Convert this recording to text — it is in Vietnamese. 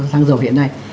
sang dầu hiện nay